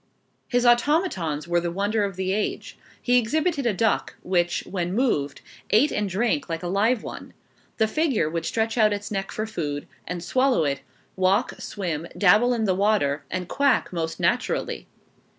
His automatons were the wonder of the age. He exhibited a duck which, when moved, ate and drank like a live one. The figure would stretch out its neck for food, and swallow it: walk, swim, dabble in the water, and quack most naturally.